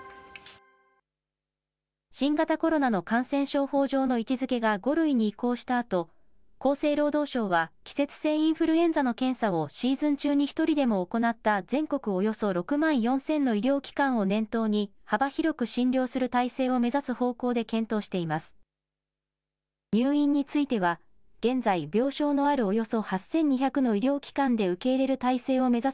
新型コロナの感染症法上の位置づけが５類に移行したあと、厚生労働省は季節性インフルエンザの検査をシーズン中に１人でも行った全国およそ６万４０００の医療機関を念頭に、幅広く診療する体制を目指す方向で検討しています。